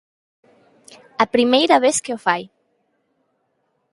A primeira vez que o fai.